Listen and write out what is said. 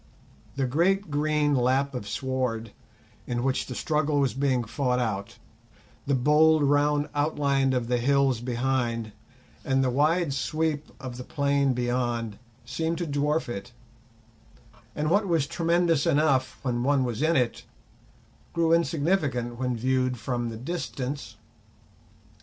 The great green lap of sward in which the struggle was being fought out, the bold round outline of the hills behind, and the wide sweep of the plain beyond, seemed to dwarf it; and what was tremendous enough when one was in it, grew insignificant when viewed from the distance.